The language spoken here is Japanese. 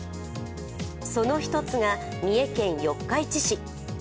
その一つが、三重県四日市市。